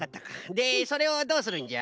でそれをどうするんじゃ？